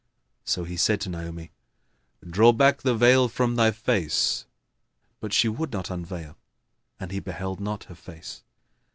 So he said to Naomi, "Draw back the veil from thy face;" but she would not unveil, and he beheld not her face.